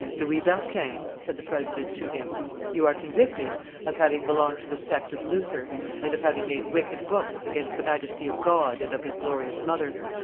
"Louis Berquin," said the president to him, "you are convicted of having belonged to the sect of Luther, and of having made wicked books against the majesty of God and of His glorious Mother.